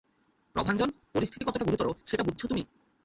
প্রভাঞ্জন, পরিস্থিতি কতটা গুরুতর সেটা বুঝছো তুমি?